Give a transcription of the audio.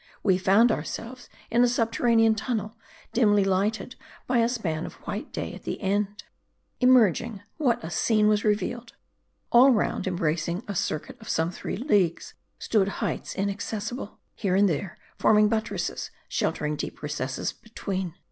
We found ourselves in a subterranean tunnel, dimly lighted by a span of white day at the end. Emerging, what a scene was revealed ! All round, em bracing a circuit of some three leagues, stood heights inac cessible, here and there, forming buttresses, sheltering deep recesses between.